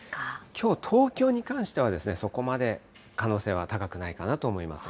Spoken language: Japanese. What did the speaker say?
きょう、東京に関してはそこまで可能性は高くないかなと思います。